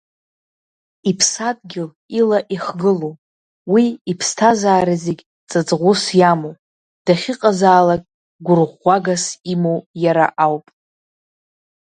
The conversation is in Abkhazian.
Иԥсадгьыл ила ихгылоуп, уи иԥсҭазаара зегь ҵаҵӷәыс иамоуп, дахьыҟазаалак гәырӷәӷәагас имоу иара ауп.